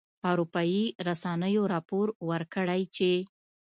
اروپایي رسنیو راپور ورکړی چې